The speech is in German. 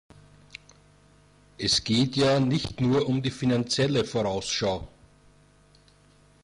Es geht ja nicht nur um die Finanzielle Vorausschau.